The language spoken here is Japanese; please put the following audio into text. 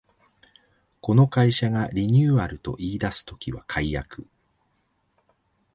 この会社がリニューアルと言いだす時は改悪